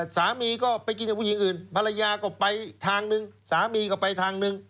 สามีก็ไปกินกับผู้หญิงอื่นภรรยาก็ไปทางนึงสามีก็ไปทางนึง